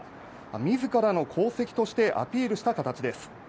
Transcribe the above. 自らの功績としてアピールした形です。